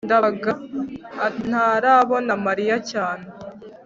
ndabaga ntarabona mariya cyane